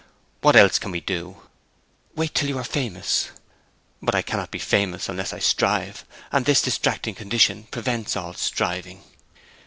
'What else can we do?' 'Wait till you are famous.' 'But I cannot be famous unless I strive, and this distracting condition prevents all striving!'